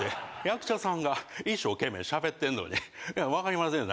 役者さんが一生懸命しゃべってんのにいや分かりません。